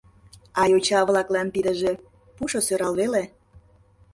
А йоча-влаклан тидыже пушо сӧрал веле.